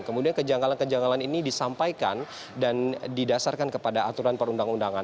kemudian kejanggalan kejanggalan ini disampaikan dan didasarkan kepada aturan perundang undangan